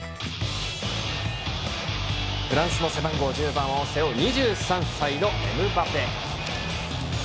フランスの背番号１０番を背負う２３歳のエムバペ。